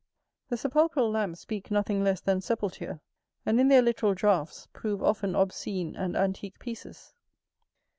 The sepulchral lamps speak nothing less than sepulture, and in their literal draughts prove often obscene and antick pieces.